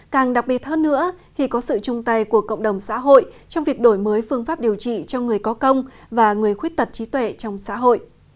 càng đặc biệt hơn nữa khi có sự chung tay của cộng đồng xã hội trong việc đổi mới phương pháp điều trị cho người có công và người khuyết tật trí tuệ trong xã hội